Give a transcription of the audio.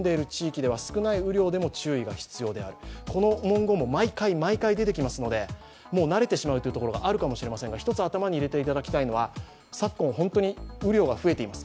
この文言も毎回毎回出てきますので慣れてしまうところがあるかもしれませんが一つ頭に入れていただきたいのは昨今、本当に雨量が増えています。